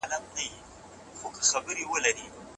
لاندي غوښه په ژمي کې د پښتنو د مېلمستیا یو ځانګړی رواج دی.